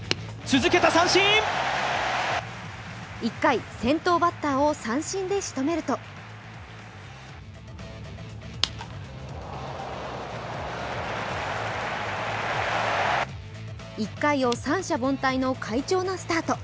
１回、先頭バッターを三振で仕留めると１回を三者凡退の快調なスタート。